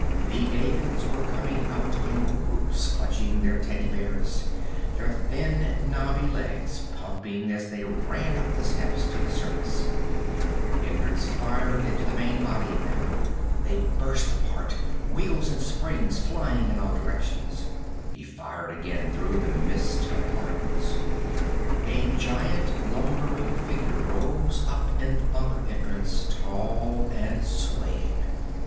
The Davids were coming out in groups, clutching their teddy bears, their thin knobby legs pumping as they ran up the steps to the surface. Hendricks fired into the main body of them. They burst apart, wheels and springs flying in all directions. He fired again through the mist of particles. A giant lumbering figure rose up in the bunker entrance, tall and swaying.